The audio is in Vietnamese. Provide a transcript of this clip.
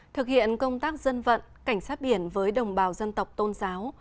thực hiện công tác dân vận cảnh sát biển với đồng bào dân tộc tôn giáo